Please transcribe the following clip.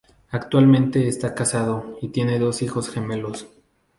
Actualmente está casado y tiene dos hijos gemelos.